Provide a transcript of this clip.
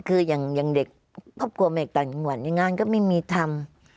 คือยังเด็กครอบครัวมาจากจังหวันงานก็ไม่มีทำ